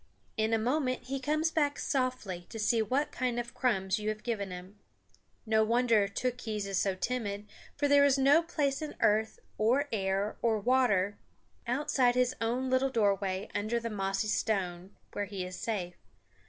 In a moment he comes back softly to see what kind of crumbs you have given him. No wonder Tookhees is so timid, for there is no place in earth or air or water, outside his own little doorway under the mossy stone, where he is safe.